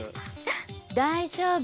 大丈夫。